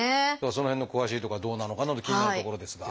その辺の詳しいとこはどうなのかなと気になるところですが。